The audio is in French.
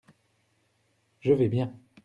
Je vais bien.